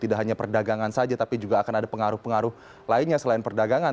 tidak hanya perdagangan saja tapi juga akan ada pengaruh pengaruh lainnya selain perdagangan